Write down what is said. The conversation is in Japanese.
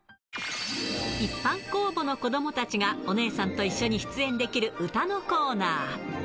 一般公募の子どもたちがおねえさんと一緒に出演できる歌のコーナー。